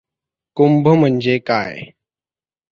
कुंभ म्हणजे काय?